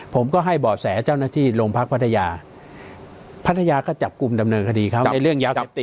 ผมก็ให้บ่อแสเจ้าหน้าที่โรงพักพัทยาพัทยาก็จับกลุ่มดำเนินคดีเขาในเรื่องยาเสพติด